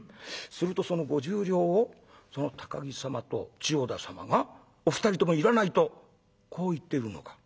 するとその５０両をその高木様と千代田様がお二人ともいらないとこう言ってるのか。